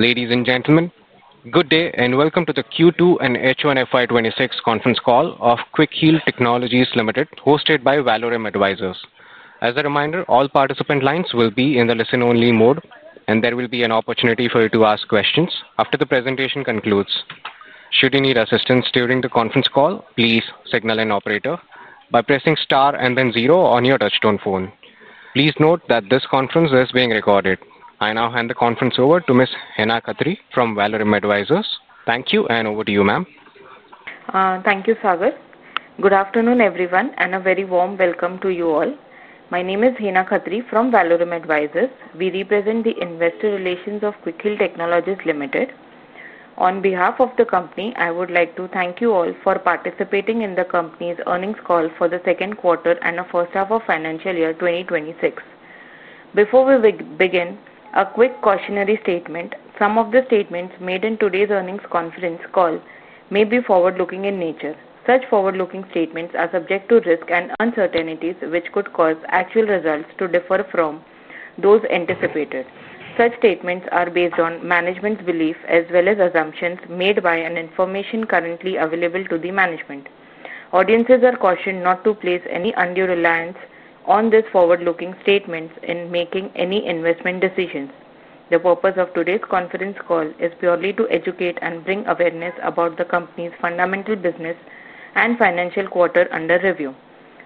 Ladies and gentlemen, good day and welcome to the Q2 and H1 FY 2026 conference call of Quick Heal Technologies Limited, hosted by Valorem Advisors. As a reminder, all participant lines will be in the listen-only mode, and there will be an opportunity for you to ask questions after the presentation concludes. Should you need assistance during the conference call, please signal an operator by pressing star and then zero on your touch-tone phone. Please note that this conference is being recorded. I now hand the conference over to Ms. Hena Khatri from Valorem Advisors. Thank you, and over to you, ma'am. Thank you, Sagar. Good afternoon, everyone, and a very warm welcome to you all. My name is Hena Khatri from Valorem Advisors. We represent the investor relations of Quick Heal Technologies Limited. On behalf of the company, I would like to thank you all for participating in the company's earnings call for the second quarter and the first half of financial year 2026. Before we begin, a quick cautionary statement. Some of the statements made in today's earnings conference call may be forward-looking in nature. Such forward-looking statements are subject to risk and uncertainties, which could cause actual results to differ from those anticipated. Such statements are based on management's belief as well as assumptions made by and information currently available to the management. Audiences are cautioned not to place any undue reliance on these forward-looking statements in making any investment decisions. The purpose of today's conference call is purely to educate and bring awareness about the company's fundamental business and financial quarter under review.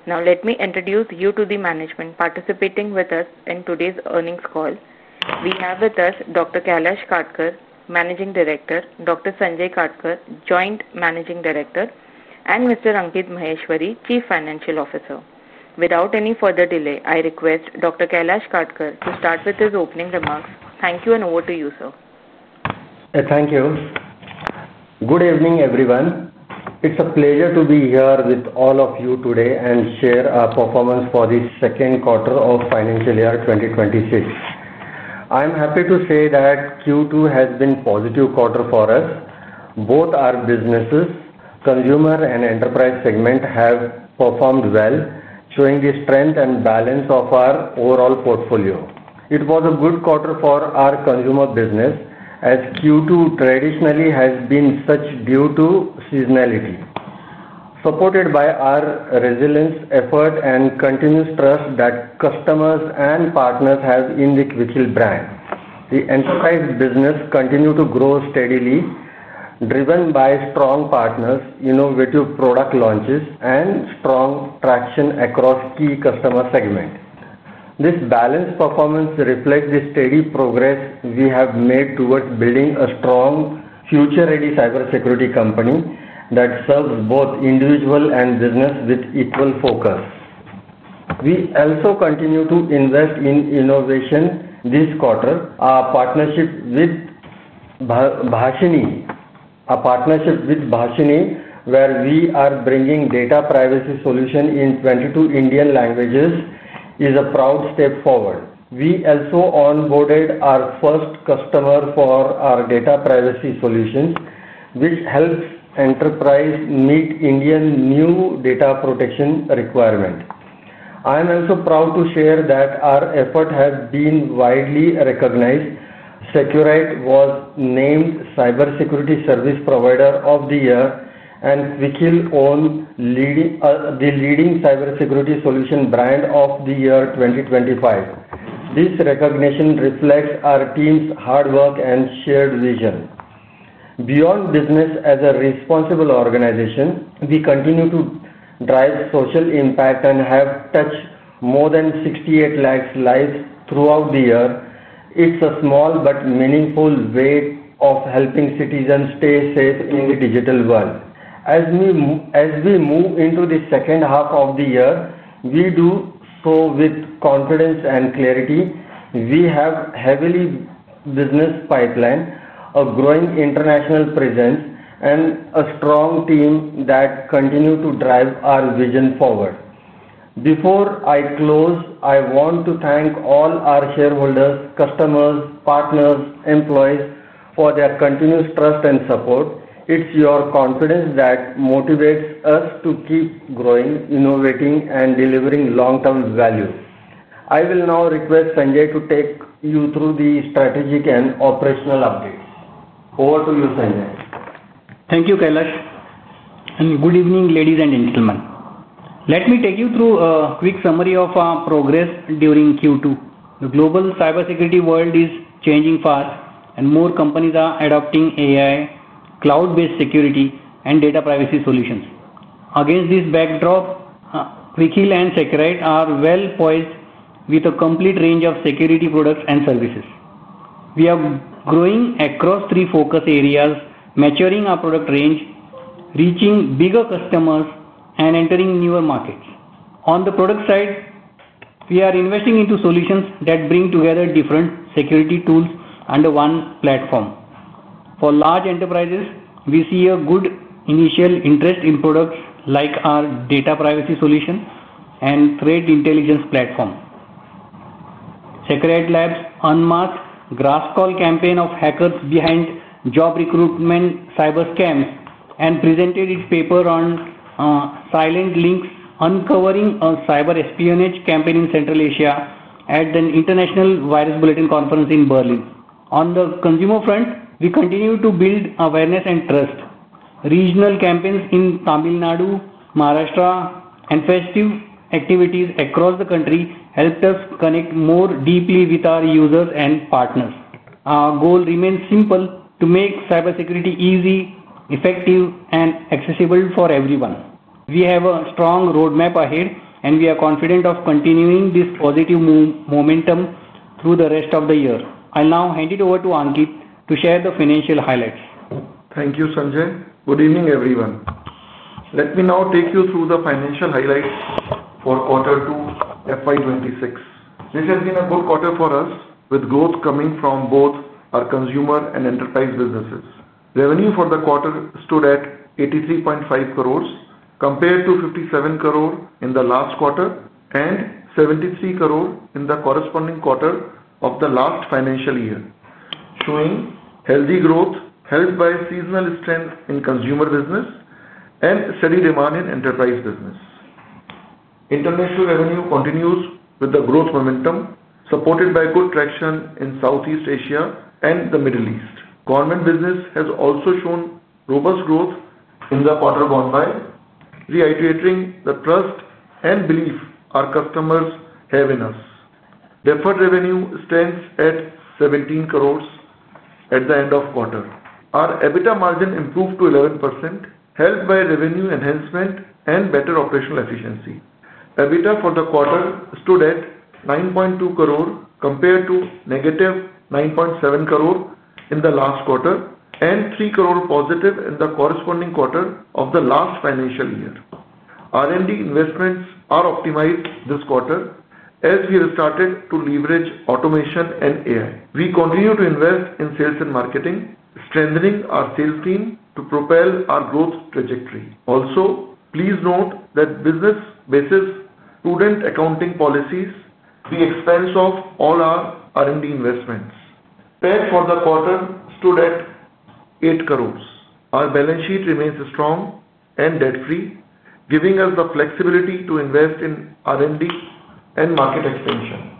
Now, let me introduce you to the management participating with us in today's earnings call. We have with us Dr. Kailash Katkar, Managing Director, Dr. Sanjay Katkar, Joint Managing Director, and Mr. Ankit Maheshwari, Chief Financial Officer. Without any further delay, I request Dr. Kailash Katkar to start with his opening remarks. Thank you, and over to you, sir. Thank you. Good evening, everyone. It's a pleasure to be here with all of you today and share our performance for the second quarter of financial year 2026. I am happy to say that Q2 has been a positive quarter for us. Both our businesses, consumer and enterprise segments, have performed well, showing the strength and balance of our overall portfolio. It was a good quarter for our consumer business, as Q2 traditionally has been such due to seasonality, supported by our resilience effort and continuous trust that customers and partners have in the Quick Heal brand. The enterprise business continues to grow steadily, driven by strong partners, innovative product launches, and strong traction across key customer segments. This balanced performance reflects the steady progress we have made towards building a strong, future-ready cybersecurity company that serves both individual and business with equal focus. We also continue to invest in innovation this quarter. Our partnership with BHASHINI, where we are bringing data privacy solutions in 22 Indian languages, is a proud step forward. We also onboarded our first customer for our data privacy solutions, which helps enterprises meet Indian new data protection requirements. I am also proud to share that our efforts have been widely recognized. Seqrite was named Cybersecurity Service Provider of the Year and Quick Heal owned The Leading Cybersecurity Solutions Brand of the year 2025. This recognition reflects our team's hard work and shared vision. Beyond business, as a responsible organization, we continue to drive social impact and have touched more than 6.8 million lives throughout the year. It's a small but meaningful way of helping citizens stay safe in the digital world. As we move into the second half of the year, we do so with confidence and clarity. We have a heavy business pipeline, a growing international presence, and a strong team that continues to drive our vision forward. Before I close, I want to thank all our shareholders, customers, partners, and employees for their continuous trust and support. It's your confidence that motivates us to keep growing, innovating, and delivering long-term value. I will now request Sanjay to take you through the strategic and operational updates. Over to you, Sanjay. Thank you, Kailash. Good evening, ladies and gentlemen. Let me take you through a quick summary of our progress during Q2. The global cybersecurity world is changing fast, and more companies are adopting AI, cloud-based security, and data privacy solutions. Against this backdrop, Quick Heal and Seqrite are well-placed with a complete range of security products and services. We are growing across three focus areas, maturing our product range, reaching bigger customers, and entering newer markets. On the product side, we are investing into solutions that bring together different security tools under one platform. For large enterprises, we see a good initial interest in products like our data privacy solution and threat intelligence platform. Seqrite Labs unmasked a grassroots campaign of hackers behind job recruitment cyber scams and presented its paper on silent links, uncovering a cyber espionage campaign in Central Asia at an international virus bulletin conference in Berlin. On the consumer front, we continue to build awareness and trust. Regional campaigns in Tamil Nadu, Maharashtra, and festive activities across the country helped us connect more deeply with our users and partners. Our goal remains simple: to make cybersecurity easy, effective, and accessible for everyone. We have a strong roadmap ahead, and we are confident of continuing this positive momentum through the rest of the year. I'll now hand it over to Ankit to share the financial highlights. Thank you, Sanjay. Good evening, everyone. Let me now take you through the financial highlights for quarter two, FY 2026. This has been a good quarter for us, with growth coming from both our consumer and enterprise businesses. Revenue for the quarter stood at 83.5 crores compared to 57 crores in the last quarter and 73 crores in the corresponding quarter of the last financial year, showing healthy growth helped by seasonal strength in consumer business and steady demand in enterprise business. International revenue continues with the growth momentum, supported by good traction in Southeast Asia and the Middle East. Government business has also shown robust growth in the quarter gone by, reiterating the trust and belief our customers have in us. Deferred revenue stands at 17 crores at the end of the quarter. Our EBITDA margin improved to 11%, helped by revenue enhancement and better operational efficiency. EBITDA for the quarter stood at 9.2 crores compared to -9.7 crores in the last quarter and 3 crores positive in the corresponding quarter of the last financial year. R&D investments are optimized this quarter as we restarted to leverage automation and AI. We continue to invest in sales and marketing, strengthening our sales team to propel our growth trajectory. Also, please note that business bases prudent accounting policies at the expense of all our R&D investments. PEG for the quarter stood at 8 crores. Our balance sheet remains strong and debt-free, giving us the flexibility to invest in R&D and market expansion.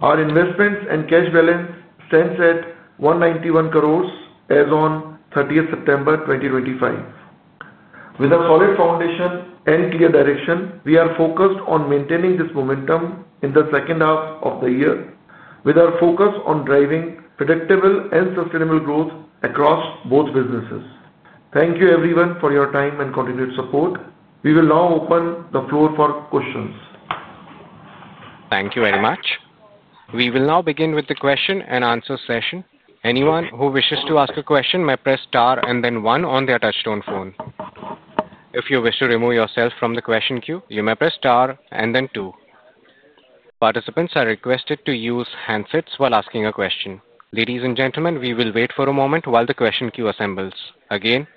Our investments and cash balance stand at INR 191 crores as of 30th September 2025. With a solid foundation and clear direction, we are focused on maintaining this momentum in the second half of the year, with our focus on driving predictable and sustainable growth across both businesses. Thank you, everyone, for your time and continued support. We will now open the floor for questions. Thank you very much. We will now begin with the question and answer session. Anyone who wishes to ask a question may press star and then one on their touch-tone phone. If you wish to remove yourself from the question queue, you may press star and then two. Participants are requested to use handsets while asking a question. Ladies and gentlemen, we will wait for a moment while the question queue assembles. Again,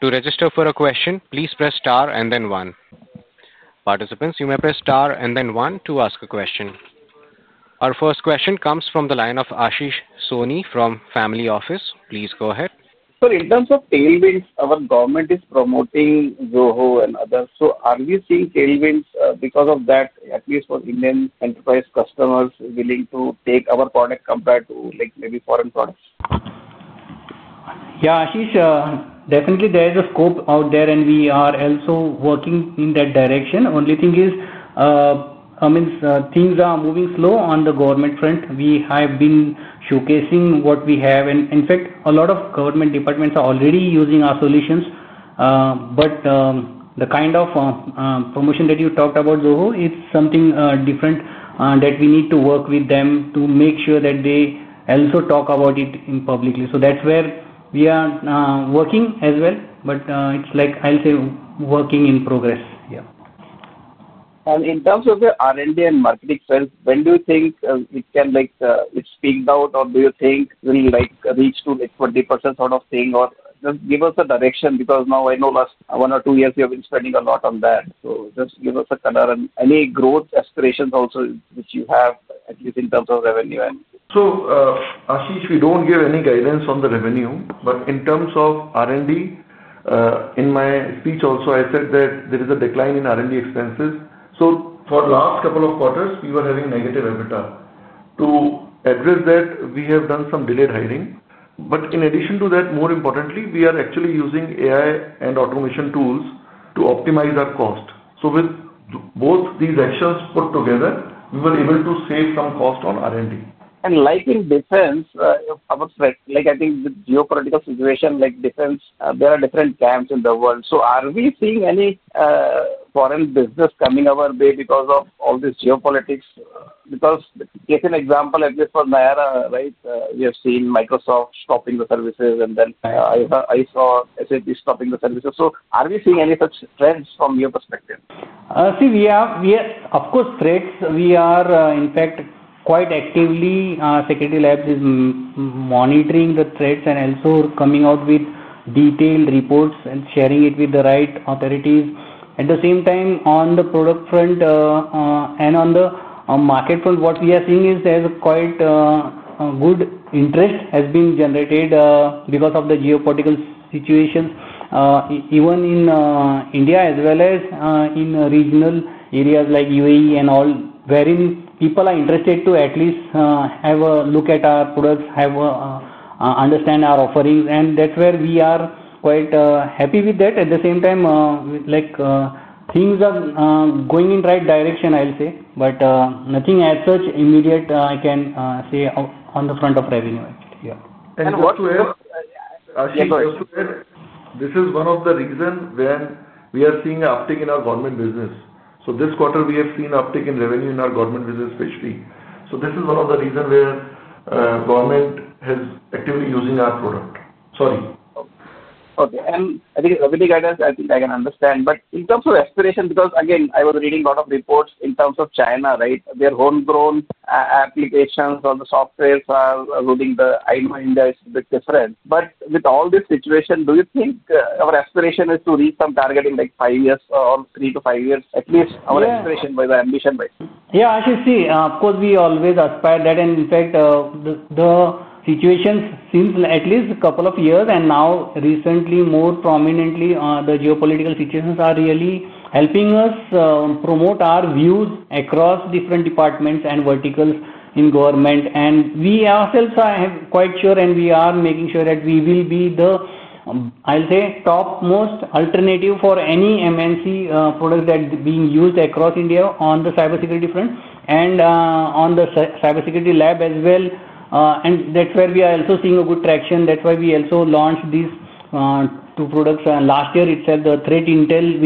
to register for a question, please press star and then one. Participants, you may press star and then one to ask a question. Our first question comes from the line of Ashish Soni from Family Office. Please go ahead. In terms of tailwinds, our government is promoting Zoho and others. Are we seeing tailwinds because of that, at least for Indian enterprise customers willing to take our product compared to like maybe foreign products? Yeah, Ashish, definitely there is a scope out there and we are also working in that direction. The only thing is, I mean, things are moving slow on the government front. We have been showcasing what we have and in fact, a lot of government departments are already using our solutions. The kind of promotion that you talked about, Zoho, it's something different that we need to work with them to make sure that they also talk about it publicly. That's where we are working as well. It's like, I'll say, work in progress here. In terms of the R&D and marketing sales, when do you think it can, like, it's peaked out or do you think we'll, like, reach to, like, 20% sort of thing or just give us a direction because now I know last one or two years you have been spending a lot on that. Just give us a color and any growth aspirations also which you have, at least in terms of revenue. Ashish, we don't give any guidance on the revenue, but in terms of R&D, in my speech also, I said that there is a decline in R&D expenses. For the last couple of quarters, we were having negative EBITDA. To address that, we have done some delayed hiring. In addition to that, more importantly, we are actually using AI and automation tools to optimize our cost. With both these actions put together, we were able to save some cost on R&D. I think the geopolitical situation, like defense, there are different camps in the world. Are we seeing any foreign business coming our way because of all this geopolitics? Take an example, at least for Nayara, right? We have seen Microsoft stopping the services and then I saw SAP stopping the services. Are we seeing any such trends from your perspective? We are, of course, threats. We are, in fact, quite actively, Seqrite Labs is monitoring the threats and also coming out with detailed reports and sharing it with the right authorities. At the same time, on the product front and on the market front, what we are seeing is there's quite a good interest has been generated because of the geopolitical situations, even in India as well as in regional areas like U.A.E. and all, wherein people are interested to at least have a look at our products, have a understand our offerings. That's where we are quite happy with that. At the same time, things are going in the right direction, I'll say. Nothing as such immediate, I can say on the front of revenue. Yeah. Ashish, this is one of the reasons we are seeing an uptick in our government business. This quarter, we have seen an uptick in revenue in our government business, especially. This is one of the reasons government is actively using our product. Sorry. Okay. I think as a public address, I can understand. In terms of aspiration, because I was reading a lot of reports in terms of China, right? Their homegrown applications or the softwares are routing the, I know India is a bit different. With all this situation, do you think our aspiration is to reach some target in like five years or three to five years, at least our aspiration by the ambition by? Yeah, Ashish, of course, we always aspire that. In fact, the situations since at least a couple of years and now recently more prominently, the geopolitical situations are really helping us promote our views across different departments and verticals in government. We ourselves are quite sure and we are making sure that we will be the, I'll say, topmost alternative for any MNC product that's being used across India on the cybersecurity front and on the cybersecurity lab as well. That's where we are also seeing good traction. That's why we also launched these two products. Last year, it's the threat intel,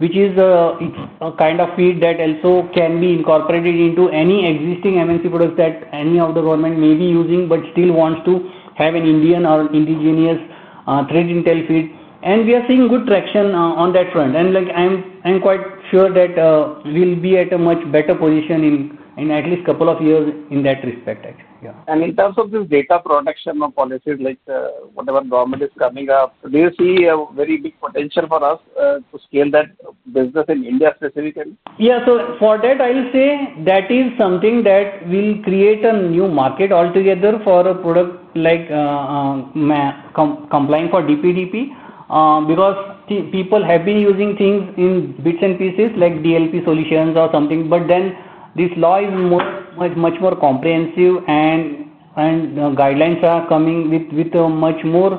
which is a kind of feed that also can be incorporated into any existing MNC products that any of the government may be using but still wants to have an Indian or an indigenous threat intel feed. We are seeing good traction on that front. I'm quite sure that we'll be at a much better position in at least a couple of years in that respect, actually. In terms of this data protection policies, like whatever government is coming up, do you see a very big potential for us to scale that business in India specifically? Yeah, so for that, I'll say that is something that will create a new market altogether for a product like complying for DPDP because people have been using things in bits and pieces like DLP solutions or something. This law is much more comprehensive and guidelines are coming with much more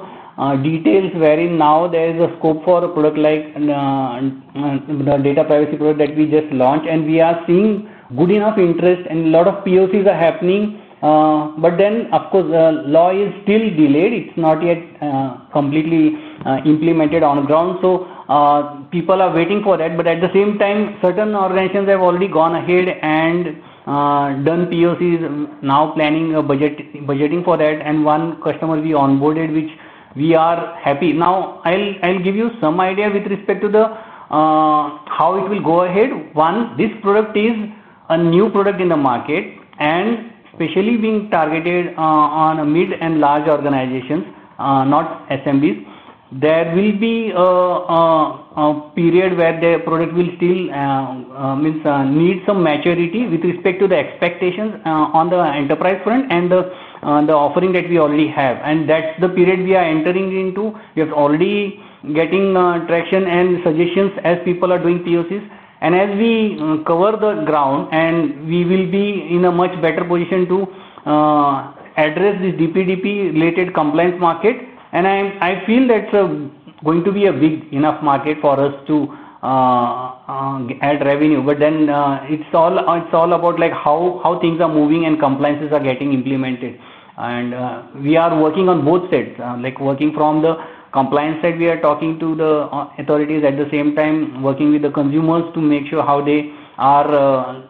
details wherein now there is a scope for a product like the data privacy product that we just launched. We are seeing good enough interest and a lot of POCs are happening. The law is still delayed. It's not yet completely implemented on the ground. People are waiting for that. At the same time, certain organizations have already gone ahead and done POCs, now planning a budgeting for that. One customer we onboarded, which we are happy. Now, I'll give you some idea with respect to how it will go ahead. One, this product is a new product in the market and especially being targeted on mid and large organizations, not SMBs. There will be a period where the product will still need some maturity with respect to the expectations on the enterprise front and the offering that we already have. That's the period we are entering into. We are already getting traction and suggestions as people are doing POCs. As we cover the ground, we will be in a much better position to address this DPDP-related compliance market. I feel that's going to be a big enough market for us to add revenue. It's all about how things are moving and compliances are getting implemented. We are working on both sides, like working from the compliance side. We are talking to the authorities at the same time, working with the consumers to make sure how they are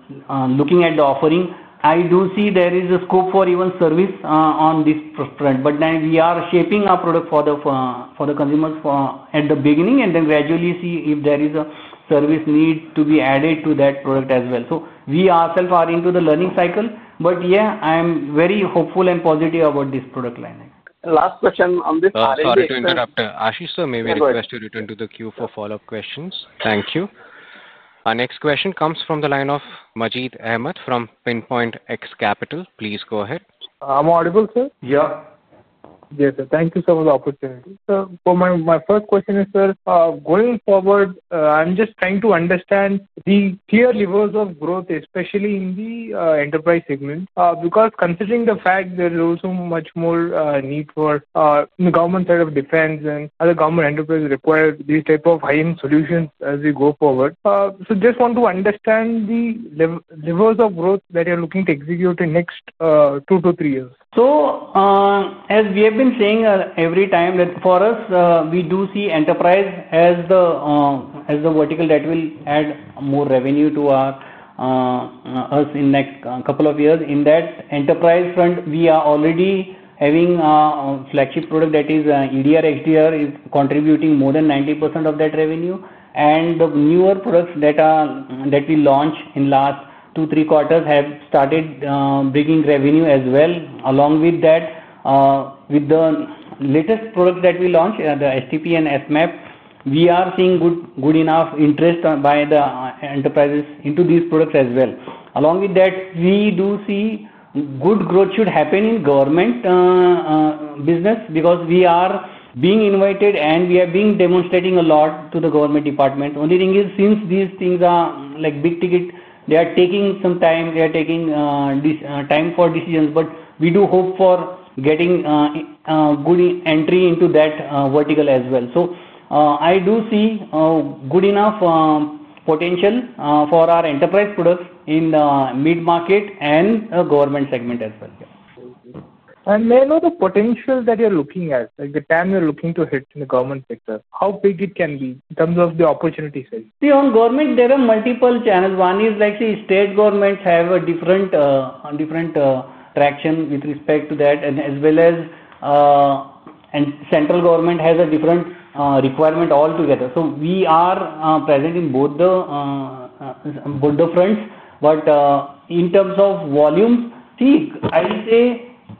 looking at the offering. I do see there is a scope for even service on this front. We are shaping our product for the consumers at the beginning and then gradually see if there is a service need to be added to that product as well. We ourselves are into the learning cycle. Yeah, I'm very hopeful and positive about this product line. Last question on this R&D. Sorry to interrupt, Ashish. Sir, may we request you to return to the queue for follow-up questions? Thank you. Our next question comes from the line of Majid Ahamed from Pinpoint X Capital. Please go ahead. I audible, sir? Yeah. Yes, sir. Thank you so much for the opportunity. My first question is, going forward, I'm just trying to understand the clear levers of growth, especially in the enterprise segment. Considering the fact there is also much more need for the government side of defense and other government enterprises require these types of high-end solutions as we go forward, I just want to understand the levers of growth that you're looking to execute in the next two to three years. As we have been saying every time, for us, we do see enterprise as the vertical that will add more revenue to us in the next couple of years. In that enterprise front, we are already having a flagship product that is EDR/XDR, contributing more than 90% of that revenue. The newer products that we launched in the last two to three quarters have started bringing revenue as well. Along with that, with the latest products that we launched, the STIP and SMAP, we are seeing good enough interest by the enterprises into these products as well. Along with that, we do see good growth should happen in government business because we are being invited and we are demonstrating a lot to the government departments. The only thing is, since these things are big ticket, they are taking some time. They are taking time for decisions. We do hope for getting a good entry into that vertical as well. I do see a good enough potential for our enterprise products in the mid-market and government segment as well. May I know the potential that you're looking at, like the time you're looking to hit in the government sector, how big it can be in terms of the opportunity size? See, on government, there are multiple channels. One is, like say, state governments have a different traction with respect to that, and as well as central government has a different requirement altogether. We are present in both the fronts. In terms of volumes,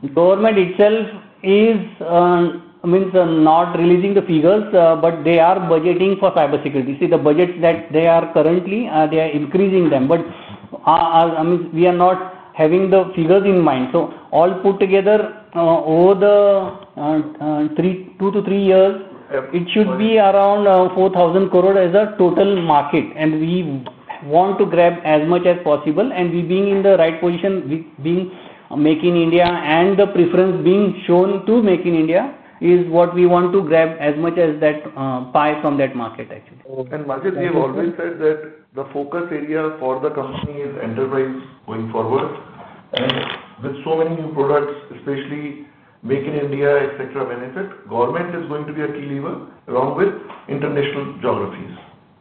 government itself is not releasing the figures, but they are budgeting for cybersecurity. The budgets that they are currently, they are increasing them. I mean, we are not having the figures in mind. All put together, over the two to three years, it should be around 4,000 crores as a total market. We want to grab as much as possible. We are being in the right position, being Make in India, and the preference being shown to Make in India is what we want to grab as much as that pie from that market, actually. Majid, we have always said that the focus area for the company is enterprise going forward. With so many new products, especially Make in India, etc., benefit, government is going to be a key lever along with international geographies.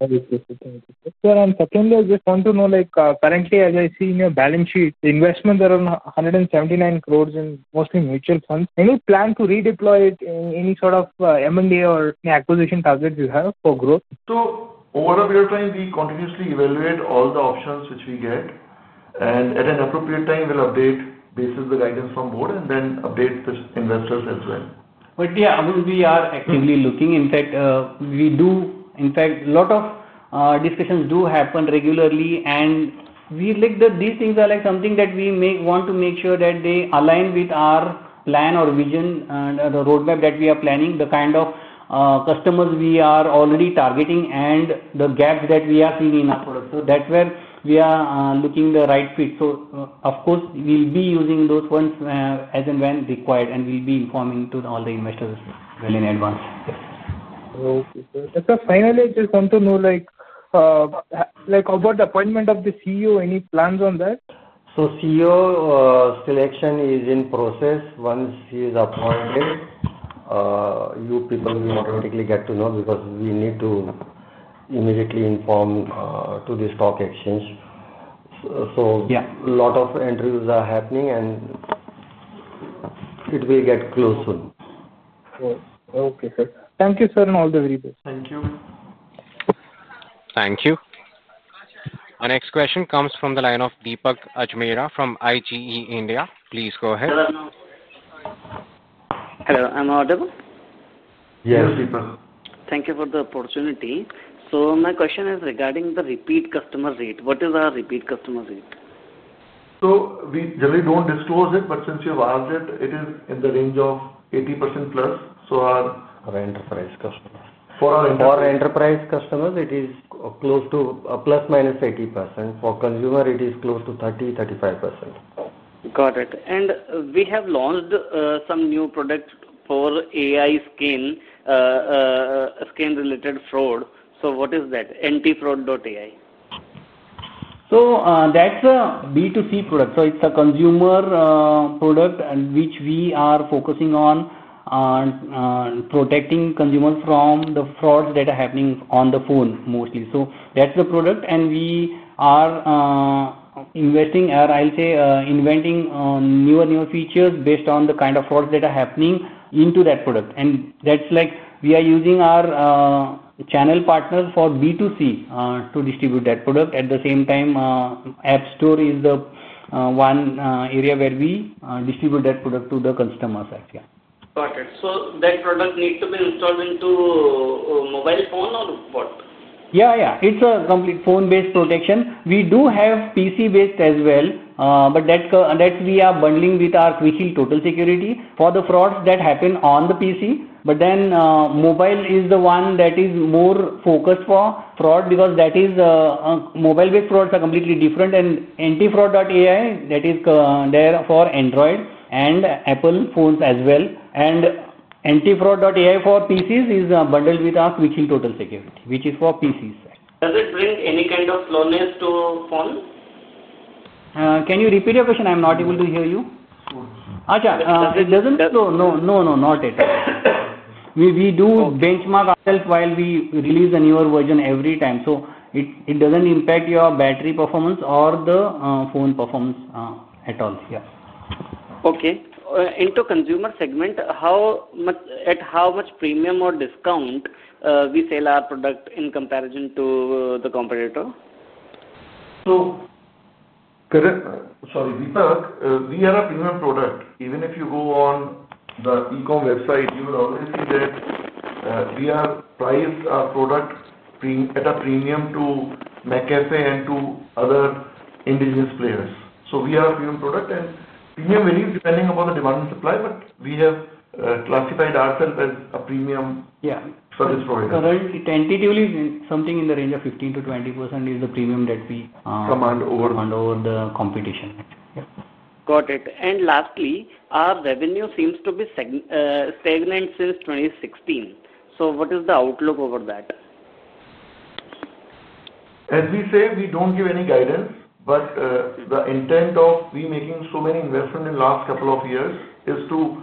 Thank you. Sir, secondly, I just want to know, like currently, as I see in your balance sheet, investment there are 179 crore in mostly mutual funds. Any plan to redeploy it in any sort of M&A or any acquisition targets you have for growth? Over a period of time, we continuously evaluate all the options which we get. At an appropriate time, we'll update, basis the guidance from the Board, and then update the investors as well. Yes, we are actively looking. In fact, a lot of discussions do happen regularly. We like that these things are something that we may want to make sure align with our plan or vision and the roadmap that we are planning, the kind of customers we are already targeting, and the gaps that we are seeing in our products. That is where we are looking for the right fit. Of course, we will be using those funds as and when required, and we will be informing all the investors as well in advance. Yes, sir. Okay, sir. Finally, I just want to know, like about the appointment of the CEO, any plans on that? CEO selection is in process. Once he is appointed, you people will automatically get to know because we need to immediately inform the stock exchange. A lot of interviews are happening and it will get closed soon. Okay, sir. Thank you, sir, and all the very best. Thank you. Thank you. Our next question comes from the line of Deepak Ajmeera from IGE India. Please go ahead. Hello. Am I audible? Yes, Deepak. Thank you for the opportunity. My question is regarding the repeat customer rate. What is our repeat customer rate? We generally don't disclose it, but since you've asked it, it is in the range of 80%+. Our. For our enterprise customers. For our enterprise customers, it is close to ±80%. For consumers, it is close to 30%-35%. Got it. We have launched some new product for AI scan, scan-related fraud. What is that, AntiFraud.AI? That's a B2C product. It's a consumer product which we are focusing on protecting consumers from the frauds that are happening on the phone mostly. That's the product. We are investing, or I'll say, inventing newer and newer features based on the kind of frauds that are happening into that product. We are using our channel partners for B2C to distribute that product. At the same time, App Store is the one area where we distribute that product to the customers out there. Got it. That product needs to be installed into a mobile phone or what? Yeah, yeah. It's a complete phone-based protection. We do have PC-based as well. We are bundling that with our Quick Heal Total Security for the frauds that happen on the PC. Mobile is the one that is more focused for fraud because mobile-based frauds are completely different. AntiFraud.AI is there for Android and Apple phones as well. AntiFraud.AI for PCs is bundled with our Quick Heal Total Security, which is for PCs. Does it bring any kind of slowness to phone? Can you repeat your question? I'm not able to hear you. Slow. It doesn't slow. No, no, no, not at all. We do benchmark ourselves while we release a newer version every time. It doesn't impact your battery performance or the phone performance at all. Yeah. Okay. In the consumer segment, how much at how much premium or discount do we sell our product in comparison to the competitor? Sorry, Deepak, we are a premium product. Even if you go on the e-comm website, you will always see that we have priced our product at a premium to McAfee and to other indigenous players. We are a premium product, and premium really depends upon the demand and supply, but we have classified ourselves as a premium service provider. Yeah, currently, tentatively, something in the range of 15%-20% is the premium that we command over the competition. Got it. Lastly, our revenue seems to be stagnant since 2016. What is the outlook over that? As we say, we don't give any guidance. The intent of making so many investments in the last couple of years is to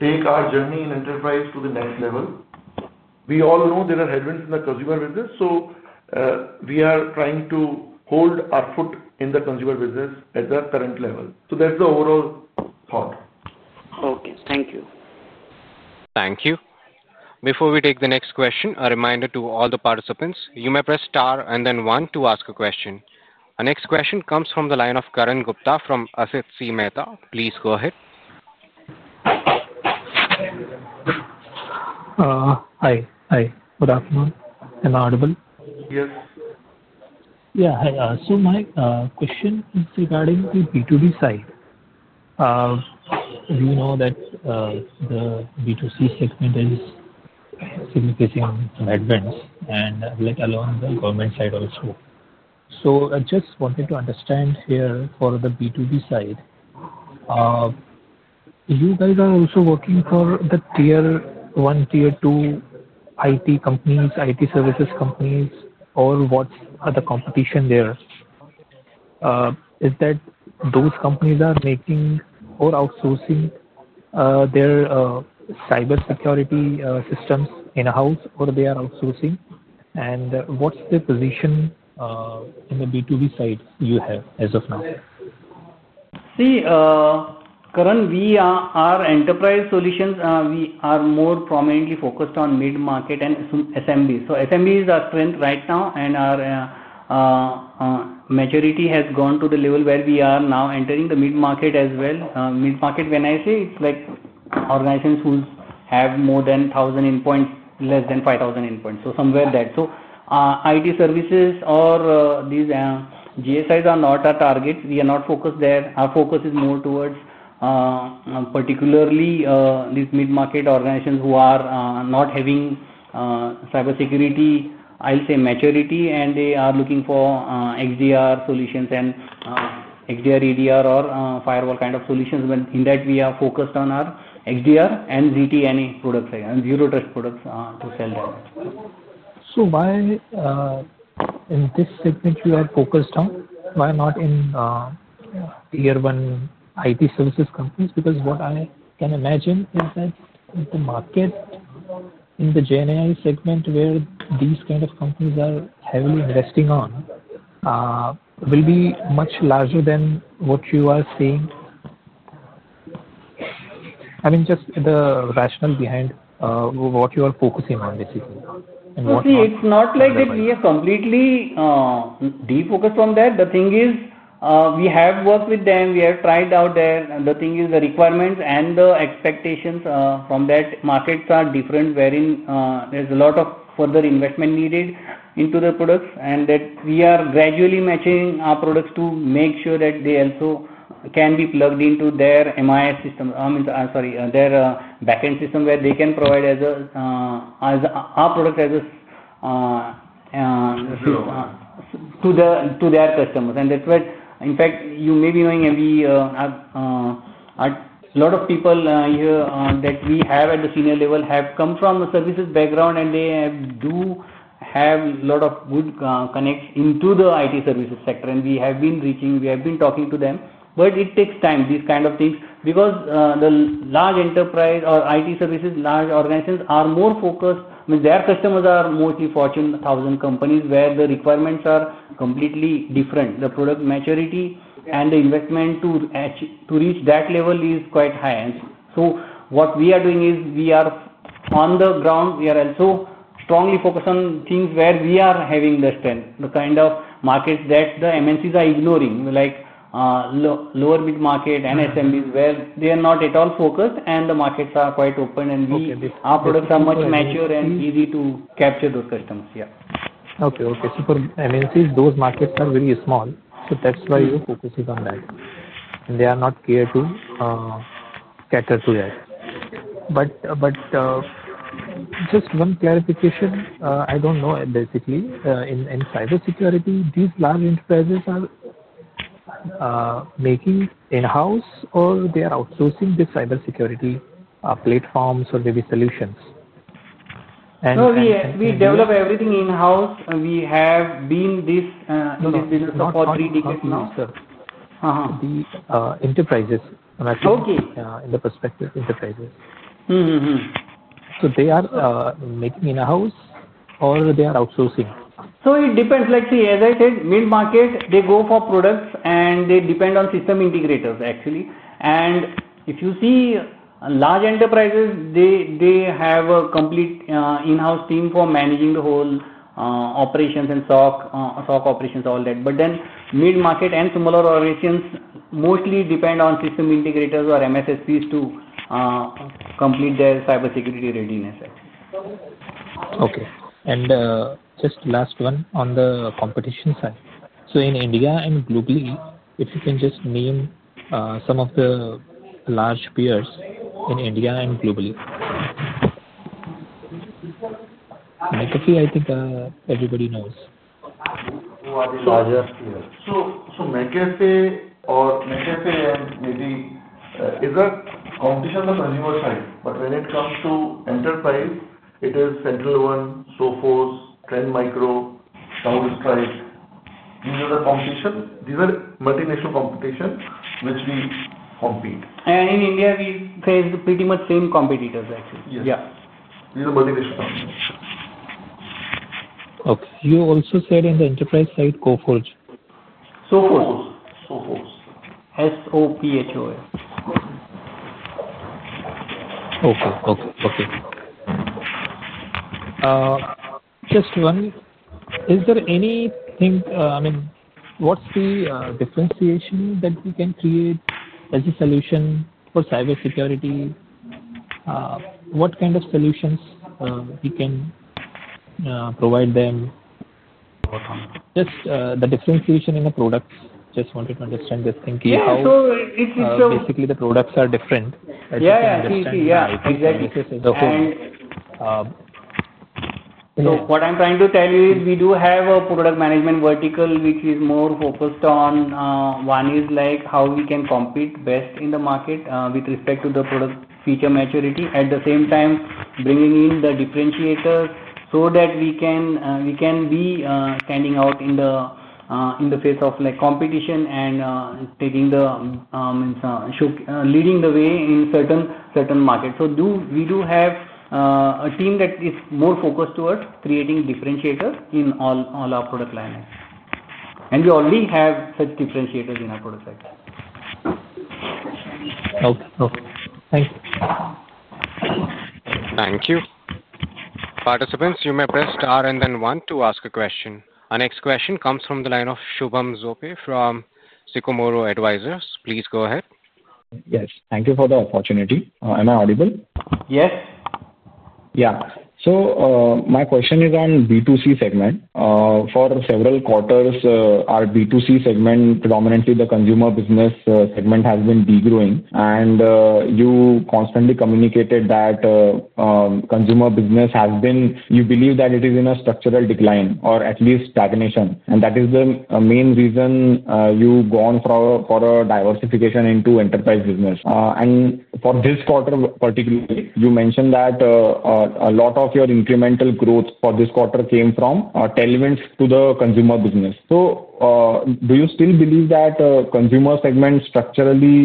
take our journey in enterprise to the next level. We all know there are headwinds in the consumer business. We are trying to hold our foot in the consumer business at the current level. That's the overall thought. Okay, thank you. Thank you. Before we take the next question, a reminder to all the participants, you may press star and then one to ask a question. Our next question comes from the line of Karan Gupta from Asit C. Mehta. Please go ahead. Hi. Good afternoon. Am I audible? Yes. Yeah. Hi. My question is regarding the B2B side. We know that the B2C segment is facing some headwinds, let alone the government side also. I just wanted to understand here for the B2B side, you guys are also working for the tier one, tier two IT companies, IT services companies, or what's the competition there? Is it that those companies are making or outsourcing their cybersecurity systems in-house, or they are outsourcing? What's the position in the B2B side you have as of now? Karan, our enterprise solutions, we are more prominently focused on mid-market and SMBs. SMBs are strength right now, and our maturity has gone to the level where we are now entering the mid-market as well. Mid-market, when I say, it's like organizations who have more than 1,000 endpoints, less than 5,000 endpoints. IT services or these GSIs are not our target. We are not focused there. Our focus is more towards particularly these mid-market organizations who are not having cybersecurity, I'll say, maturity, and they are looking for XDR solutions and XDR/EDR or firewall kind of solutions. In that, we are focused on our XDR and ZTNA products and zero trust products to sell them. Why in this segment are you focused on? Why not in tier one IT services companies? What I can imagine is that the market in the JNI segment where these kind of companies are heavily investing will be much larger than what you are seeing. I mean, just the rationale behind what you are focusing on, basically. What. See, it's not like that we are completely defocused on that. The thing is, we have worked with them. We have tried out there. The thing is, the requirements and the expectations from that market are different, wherein there's a lot of further investment needed into the products. We are gradually matching our products to make sure that they also can be plugged into their backend system where they can provide our product as a system to their customers. In fact, you may be knowing a lot of people here that we have at the senior level have come from a services background, and they do have a lot of good connection into the IT services sector. We have been reaching, we have been talking to them. It takes time, these kind of things, because the large enterprise or IT services, large organizations are more focused. Their customers are mostly Fortune 1000 companies, where the requirements are completely different. The product maturity and the investment to reach that level is quite high. What we are doing is we are on the ground. We are also strongly focused on things where we are having the strength, the kind of markets that the MNCs are ignoring, like lower mid-market and SMBs, where they are not at all focused, and the markets are quite open. Our products are much mature and easy to capture those customers. Yeah. Okay. For MNCs, those markets are very small. That's why your focus is on that, and they are not catered to that. Just one clarification. I don't know, basically, in cybersecurity, these large enterprises are making in-house or they are outsourcing the cybersecurity platforms or maybe solutions? Sir, we develop everything in-house. We have been doing business for three decades now. Sir, the enterprises, I'm asking in the perspective of enterprises. Are they making in-house or are they outsourcing? It depends. Like, as I said, mid-market, they go for products, and they depend on system integrators, actually. If you see large enterprises, they have a complete in-house team for managing the whole operations and SOC operations, all that. Then mid-market and similar operations mostly depend on system integrators or MSSPs to complete their cybersecurity readiness, actually. Okay. Just last one, on the competition side. In India and globally, if you can just name some of the large peers in India and globally, McAfee, I think everybody knows. McAfee maybe is a competition on the consumer side. When it comes to enterprise, it is SentinelOne, Sophos, Trend Micro, CrowdStrike. These are the competition. These are multinational competitions which we compete. In India, we face pretty much the same competitors, actually. Yeah, these are multinational companies. Okay. You also said in the enterprise segment, Sophos. Sophos. S-O-P-H-O-S. Okay. Okay. Okay. Is there anything, I mean, what's the differentiation that we can create as a solution for cybersecurity? What kind of solutions can we provide them? Just the differentiation in the products. Just wanted to understand, just thinking how. Yeah, it's so. Basically, the products are different. That's what I'm understanding. Yeah. Exactly. Okay. We do have a product management vertical which is more focused on how we can compete best in the market with respect to the product feature maturity. At the same time, bringing in the differentiators so that we can be standing out in the face of competition and leading the way in certain markets. We do have a team that is more focused towards creating differentiators in all our product lines, and we already have such differentiators in our product side. Okay. Thank you. Thank you. Participants, you may press star and then one to ask a question. Our next question comes from the line of Shubham Zope from Sicomoro Advisors. Please go ahead. Yes, thank you for the opportunity. Am I audible? Yes. Yeah. My question is on the B2C segment. For several quarters, our B2C segment, predominantly the consumer business segment, has been degrowing. You constantly communicated that the consumer business has been, you believe that it is in a structural decline or at least stagnation. That is the main reason you go on for a diversification into the enterprise business. For this quarter particularly, you mentioned that a lot of your incremental growth for this quarter came from tailwinds to the consumer business. Do you still believe that the consumer segment structurally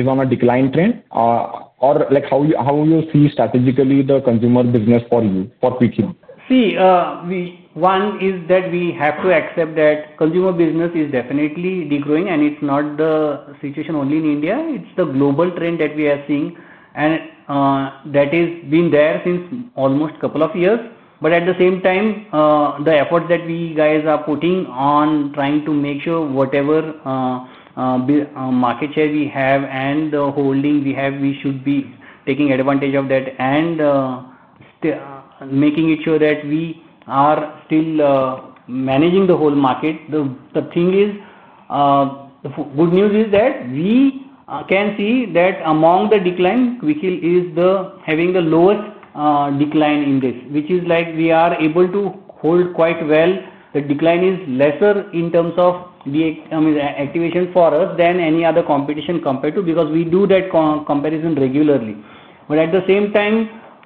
is on a decline trend? How do you see strategically the consumer business for you, for Quick Heal? See, one is that we have to accept that consumer business is definitely degrowing. It's not the situation only in India. It's the global trend that we are seeing, and that has been there since almost a couple of years. At the same time, the efforts that we guys are putting on trying to make sure whatever market share we have and the holding we have, we should be taking advantage of that and making sure that we are still managing the whole market. The good news is that we can see that among the decline, Quick Heal is having the lowest decline in this, which is like we are able to hold quite well. The decline is lesser in terms of the activation for us than any other competition compared to because we do that comparison regularly.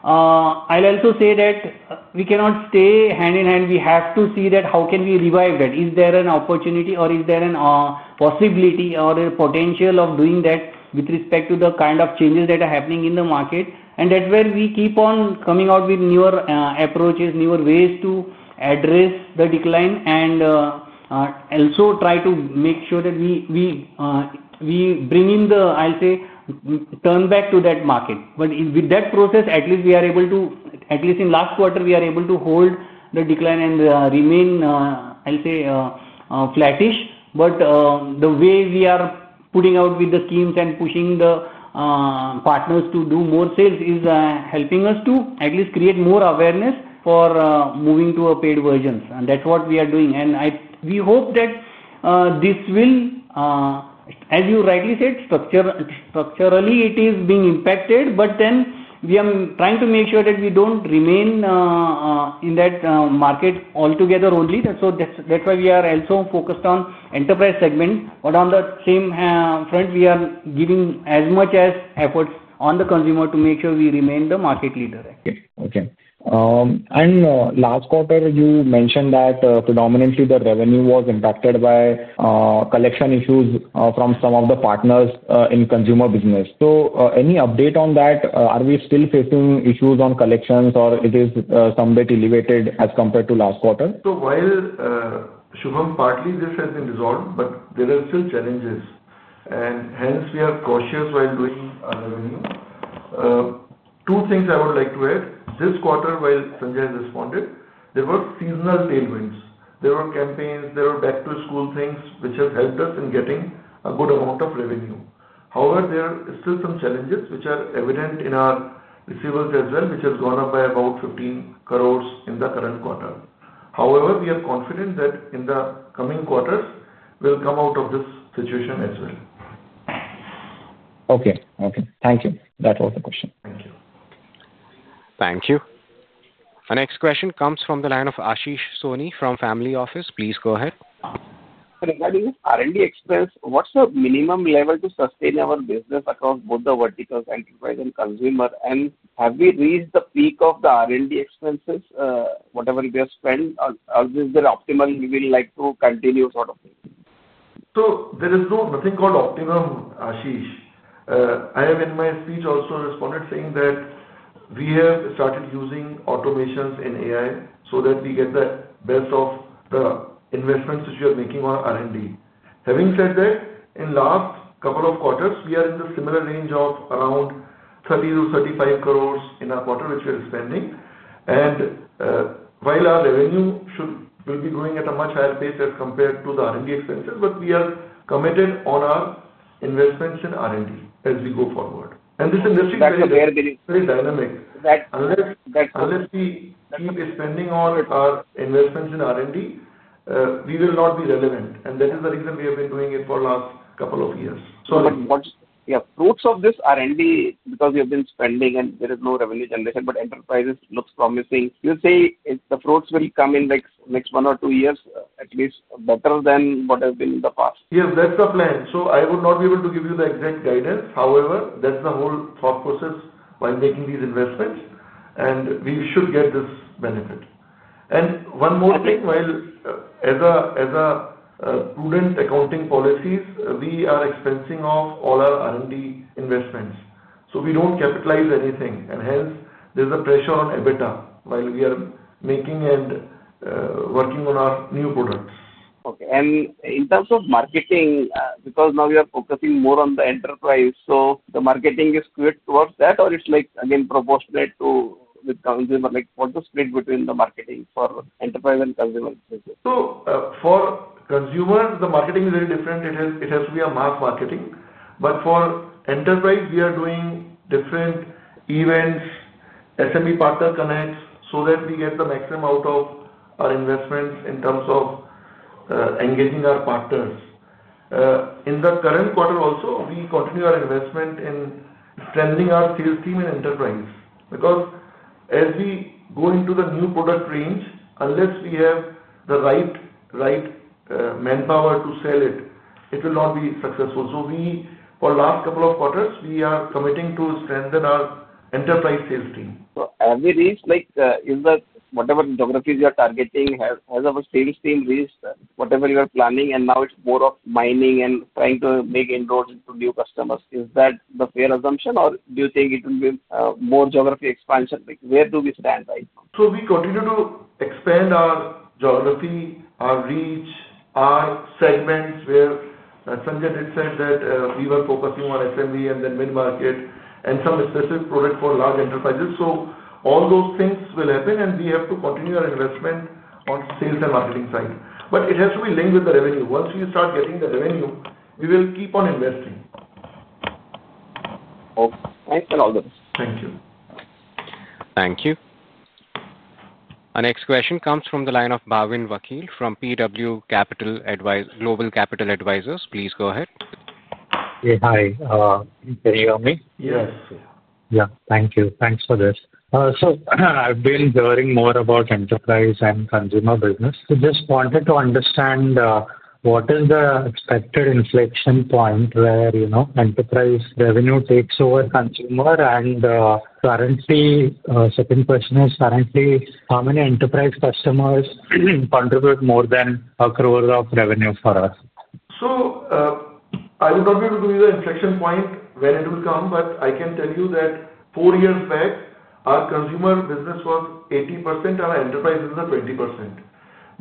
I'll also say that we cannot stay hand in hand. We have to see how can we revive that. Is there an opportunity or is there a possibility or a potential of doing that with respect to the kind of changes that are happening in the market? That's where we keep on coming out with newer approaches, newer ways to address the decline and also try to make sure that we bring in the, I'll say, turn back to that market. With that process, at least we are able to, at least in last quarter, we are able to hold the decline and remain, I'll say, flattish. The way we are putting out with the schemes and pushing the partners to do more sales is helping us to at least create more awareness for moving to a paid version. That's what we are doing. We hope that this will, as you rightly said, structurally it is being impacted. We are trying to make sure that we don't remain in that market altogether only. That's why we are also focused on enterprise segment. On the same front, we are giving as much as efforts on the consumer to make sure we remain the market leader. Okay. Last quarter, you mentioned that predominantly the revenue was impacted by collection issues from some of the partners in consumer business. Any update on that? Are we still facing issues on collections, or is it somewhat elevated as compared to last quarter? While Shubham, partly this has been resolved, there are still challenges. Hence, we are cautious while doing revenue. Two things I would like to add. This quarter, while Sanjay has responded, there were seasonal tailwinds, campaigns, and back-to-school things, which has helped us in getting a good amount of revenue. However, there are still some challenges, which are evident in our receivables as well, which has gone up by about 15 crore in the current quarter. However, we are confident that in the coming quarters, we'll come out of this situation as well. Okay. Thank you. That was the question. Thank you. Thank you. Our next question comes from the line of Ashish Soni from Family Office. Please go ahead. Sorry, what is R&D expense? What's the minimum level to sustain our business across both the verticals, enterprise and consumer? Have we reached the peak of the R&D expenses, whatever we have spent? Is there optimum we will like to continue sort of thing? There is nothing called optimum, Ashish. I have in my speech also responded saying that we have started using automations in AI so that we get the best of the investments which we are making on R&D. Having said that, in the last couple of quarters, we are in the similar range of around 30 crore-35 crore in our quarter, which we are spending. While our revenue should be growing at a much higher pace as compared to the R&D expenses, we are committed on our investments in R&D as we go forward. This industry is very dynamic. Unless we keep spending on our investments in R&D, we will not be relevant. That is the reason we have been doing it for the last couple of years. Yeah, fruits of this R&D, because we have been spending and there is no revenue generation, but enterprises look promising. You say the fruits will come in the next one or two years, at least better than what has been in the past. Yes, that's the plan. I would not be able to give you the exact guidance. However, that's the whole thought process while making these investments. We should get this benefit. One more thing, while as a prudent accounting policy, we are expensing off all our R&D investments. We don't capitalize anything, and hence, there's a pressure on EBITDA while we are making and working on our new products. Okay. In terms of marketing, because now we are focusing more on the enterprise, is the marketing split towards that, or is it again proportionate with consumer? What's the split between the marketing for enterprise and consumer? For consumers, the marketing is very different. It has to be mass marketing. For enterprise, we are doing different events, SMB Partner Connect, so that we get the maximum out of our investments in terms of engaging our partners. In the current quarter, we continue our investment in strengthening our sales team in enterprise. As we go into the new product range, unless we have the right manpower to sell it, it will not be successful. For the last couple of quarters, we are committing to strengthen our enterprise sales team. Have we reached, like, in the whatever geographies you are targeting, has our sales team reached whatever you are planning? Now it's more of mining and trying to make inroads into new customers. Is that the fair assumption, or do you think it will be more geography expansion? Where do we stand right now? We continue to expand our geography, our reach, our segments where Sanjay did say that we were focusing on SMB and then mid-market and some specific product for large enterprises. All those things will happen, and we have to continue our investment on the sales and marketing side. It has to be linked with the revenue. Once we start getting the revenue, we will keep on investing. Okay, thanks a lot. Thank you. Thank you. Our next question comes from the line of Bhavin Vakil from PV Global Capital Advisors. Please go ahead. Yeah, hi. Can you hear me? Yes. Thank you. Thanks for this. I've been hearing more about enterprise and consumer business. I just wanted to understand what is the expected inflection point where enterprise revenue takes over consumer? The second question is, currently, how many enterprise customers contribute more than 1 crore of revenue for us? I will not be able to give you the inflection point when it will come. I can tell you that four years back, our consumer business was 80% and our enterprise business was 20%.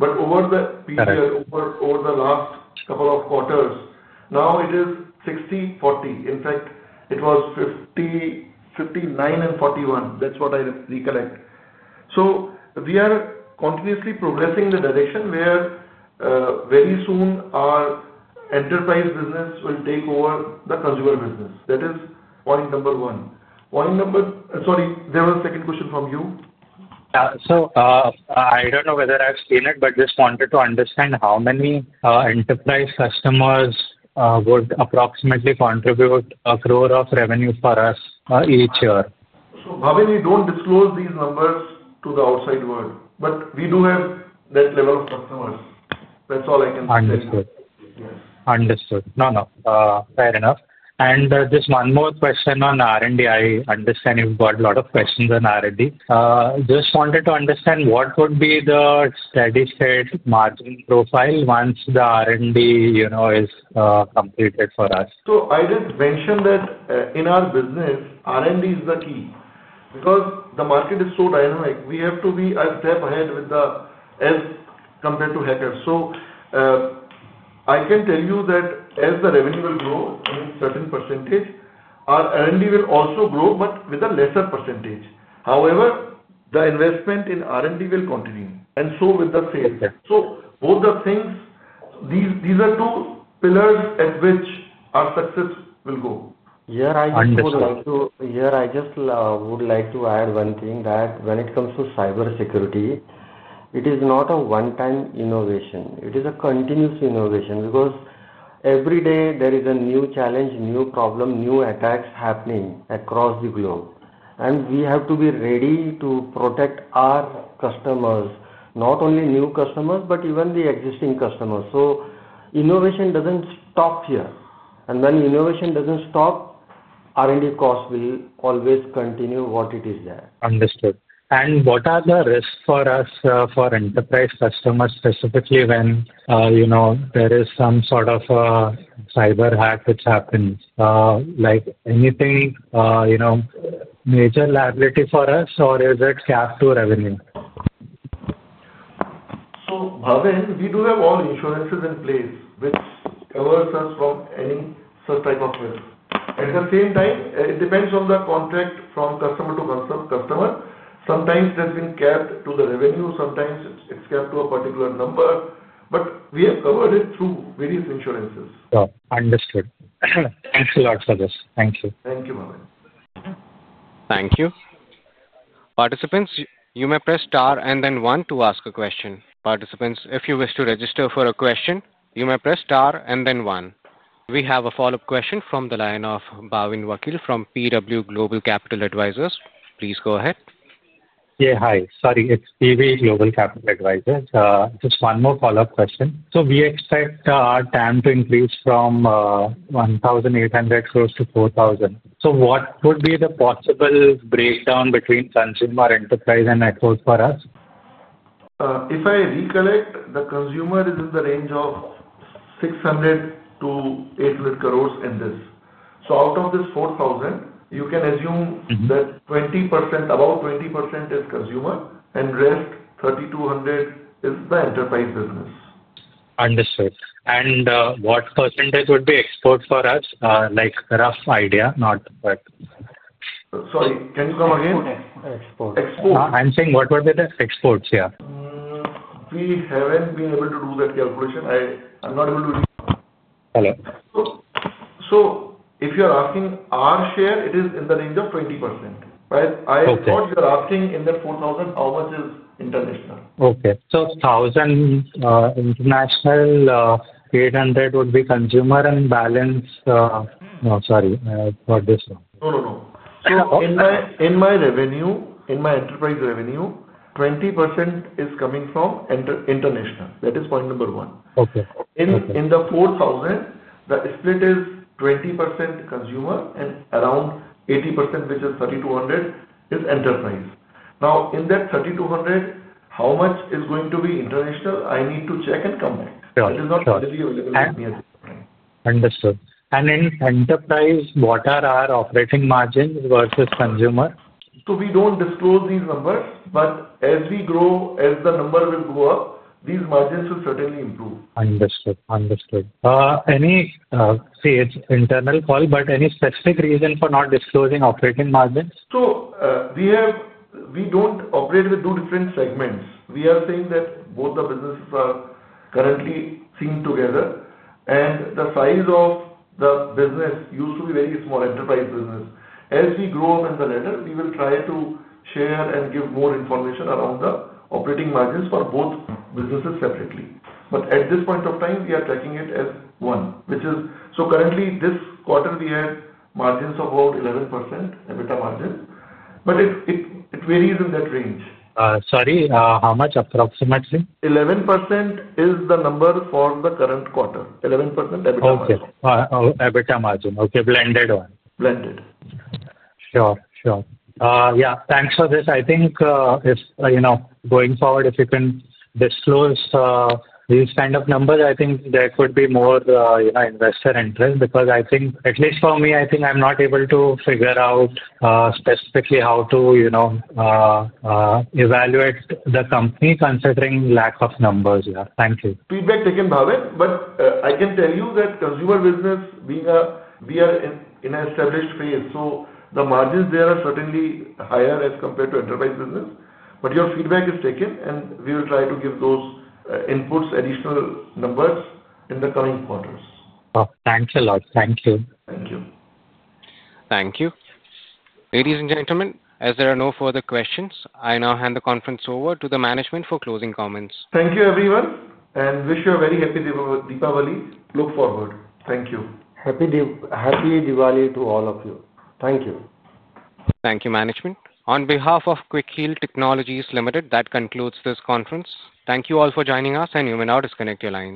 Over the last couple of quarters, now it is 60/40. In fact, it was 59/41. That's what I recollect. We are continuously progressing in the direction where very soon our enterprise business will take over the consumer business. That is point number one. Sorry, there was a second question from you. Yeah, I don't know whether I've seen it, but just wanted to understand how many enterprise customers would approximately contribute 1 crore of revenue for us each year. Bhavin, we don't disclose these numbers to the outside world. We do have that level of customers. That's all I can say. Understood. Fair enough. Just one more question on R&D. I understand you've got a lot of questions on R&D. I just wanted to understand what would be the steady-state margin profile once the R&D, you know, is completed for us. I just mentioned that in our business, R&D is the key. Because the market is so dynamic, we have to be a step ahead as compared to hackers. I can tell you that as the revenue will grow in a certain percentage, our R&D will also grow, but with a lesser percentage. However, the investment in R&D will continue, and so will the sales. Both these things are two pillars at which our success will go. Yeah, I just would like to add one thing that when it comes to cybersecurity, it is not a one-time innovation. It is a continuous innovation because every day there is a new challenge, new problem, new attacks happening across the globe. We have to be ready to protect our customers, not only new customers, but even the existing customers. Innovation doesn't stop here. When innovation doesn't stop, R&D costs will always continue what it is there. Understood. What are the risks for us, for enterprise customers specifically when you know there is some sort of a cyber hack which happens? Like anything, you know, major liability for us, or is it cap to revenue? Bhavin, we do have all insurances in place, which covers us from any such type of risk. At the same time, it depends on the contract from customer to customer. Sometimes that's been capped to the revenue, sometimes it's capped to a particular number. We have covered it through various insurances. Understood. Thanks a lot for this. Thank you. Thank you, Bhavin. Thank you. Participants, you may press star and then one to ask a question. Participants, if you wish to register for a question, you may press star and then one. We have a follow-up question from the line of Bhavin Vakil from PV Global Capital Advisors. Please go ahead. Yeah. Hi. Sorry, it's PV Global Capital Advisors. Just one more follow-up question. We expect our TAM to increase from 1,800 crores to 4,000 crores. What would be the possible breakdown between consumer, enterprise, and net worth for us? If I recollect, the consumer is in the range of 600- 800 crore in this. Out of this 4,000 crore, you can assume that about 20% is consumer and the rest, 3,200 crore, is the enterprise business. Understood. What percentage would be export for us, like a rough idea? Sorry, can you come again? Export. Export. Exports, yeah. We haven't been able to do that calculation. I'm not able to reach. Hello. If you're asking our share, it is in the range of 20%. I thought you're asking in the 4,000, how much is international? Okay. 1,000 international, 800 would be consumer and balance. Sorry, I got this wrong. In my revenue, in my enterprise revenue, 20% is coming from international. That is point number one. In the 4,000, the split is 20% consumer and around 80%, which is 3,200, is enterprise. In that 3,200, how much is going to be international? I need to check and come back. It is not publicly available to me as an enterprise. Understood. In enterprise, what are our operating margins versus consumer? We don't disclose these numbers. As we grow, as the number will go up, these margins will certainly improve. Understood. Understood. It's an internal call, but any specific reason for not disclosing operating margins? We don't operate with two different segments. We are saying that both the businesses are currently seen together. The size of the business used to be very small, enterprise business. As we grow up in the latter, we will try to share and give more information around the operating margins for both businesses separately. At this point of time, we are tracking it as one, which is, currently, this quarter, we had margins of about 11% EBITDA margins. It varies in that range. Sorry, how much approximately? 11% is the number for the current quarter. 11% EBITDA margin. Okay. EBITDA margin, okay, blended one. Blended. Sure. Thanks for this. I think if you know going forward, if you can disclose these kind of numbers, I think there could be more investor interest because I think, at least for me, I'm not able to figure out specifically how to evaluate the company considering lack of numbers. Thank you. Feedback taken, Bhavin. I can tell you that consumer business, we are in an established phase. The margins there are certainly higher as compared to enterprise business. Your feedback is taken, and we will try to give those inputs, additional numbers in the coming quarters. Oh, thanks a lot. Thank you. Thank you. Thank you. Ladies and gentlemen, as there are no further questions, I now hand the conference over to the management for closing comments. Thank you, everyone, and wish you a very happy Diwali. Look forward. Thank you. Happy Diwali to all of you. Thank you. Thank you, management. On behalf of Quick Heal Technologies Limited, that concludes this conference. Thank you all for joining us. You may now disconnect your line.